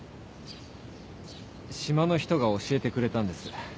島の人が教えてくれたんです。